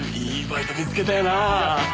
いいバイト見つけたよな！